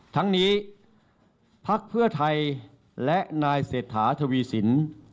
ทั้งนี้พักเพื่อไทยและนายเศรษฐาทวีสิน